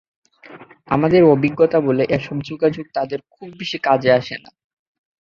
আমাদের অভিজ্ঞতা বলে, এসব যোগাযোগ তাঁদের খুব বেশি কাজে আসে না।